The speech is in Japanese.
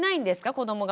子どもが。